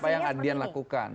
apa yang adrian lakukan